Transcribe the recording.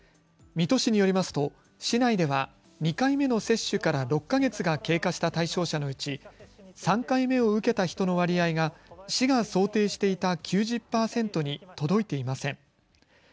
水戸市によりますと市内では２回目の接種から６か月が経過した対象者のうち３回目を受けた人の割合が市が想定していた９０％に届いていません。